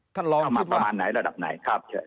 เอามาประมาณไหนระดับไหนครับ